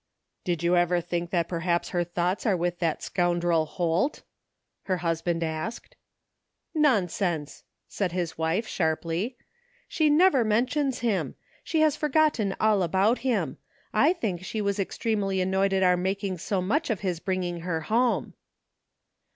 " Did you ever think that perhaps her thoughts are with that scoundrel Holt ?" her husband asked. " Nonsense! " said his wife sharply. " She never mentions him. She has forgotten all about him. I think she was extremely annoyed at our making so much of his bringing her home."